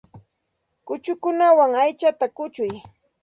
Kuchukuwan aychata kuchuy.